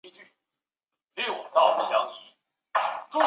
蔡衍明也是台湾中天电视的拥有人。